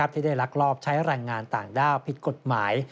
ที่ได้ลักลอบใช้แรงงานต่างด้าวผิดกฎหมาย